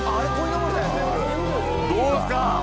どうですか？